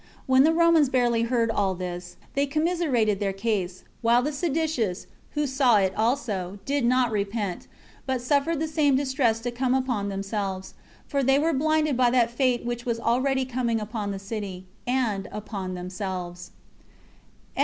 When the Romans barely heard all this, they commiserated their case; while the seditious, who saw it also, did not repent, but suffered the same distress to come upon themselves; for they were blinded by that fate which was already coming upon the city, and upon themselves also.